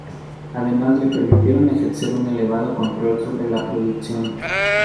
Además le permitieron ejercer un elevado control sobre la producción.